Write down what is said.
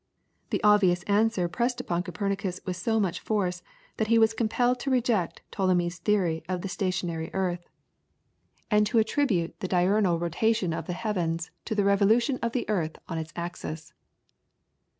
The obvious answer pressed upon Copernicus with so much force that he was compelled to reject Ptolemy's theory of the stationary earth, and to attribute the diurnal rotation of the heavens to the revolution of the earth on its axis.